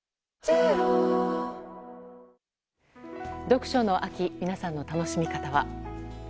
読書の秋皆さんの楽しみ方は？